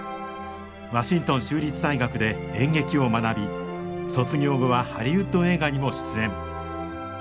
ワシントン州立大学で演劇を学び卒業後はハリウッド映画にも出演。